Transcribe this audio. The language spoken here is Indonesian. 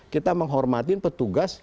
kita menghormatin petugas